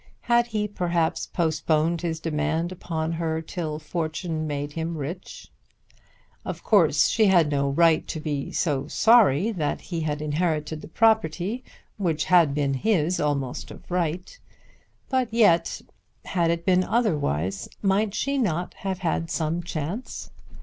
Had he perhaps postponed his demand upon her till fortune had made him rich? Of course she had no right to be sorry that he had inherited the property which had been his almost of right; but yet, had it been otherwise, might she not have had some chance?